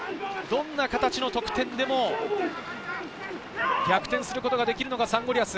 どんな形での得点でも逆転することができるのがサンゴリアス。